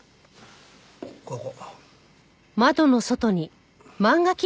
ここ。